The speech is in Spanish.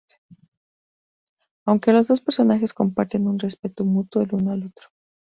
Aunque los dos personajes comparten un respeto mutuo el uno al otro.